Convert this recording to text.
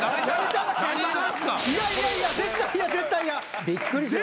いやいやいや絶対嫌絶対嫌。